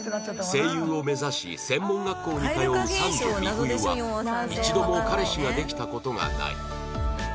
声優を目指し専門学校に通う三女美冬は一度も彼氏ができた事がない